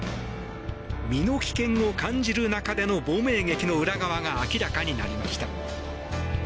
身の危険を感じる中での亡命劇の裏側が明らかになりました。